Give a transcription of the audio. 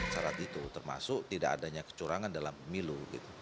syarat itu termasuk tidak adanya kecurangan dalam pemilu